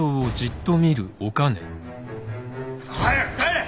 早く帰れ！